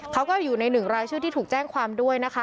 เขาก็อยู่ในหนึ่งรายชื่อที่ถูกแจ้งความด้วยนะคะ